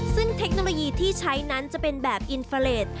ซึ่งเทคโนโลยีที่ใช้นั้นจะเป็นแบบอินเฟอร์เลส